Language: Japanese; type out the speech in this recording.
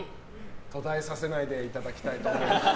途絶えさせないでいただきたいと思います。